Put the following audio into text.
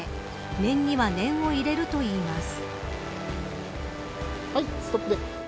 念には念を入れるといいます。